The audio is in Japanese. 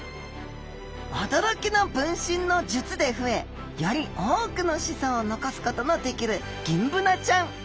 驚きの分身の術で増えより多くの子孫を残すことのできるギンブナちゃん。